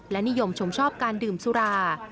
และนิยมชมชอบการดื่มสุรา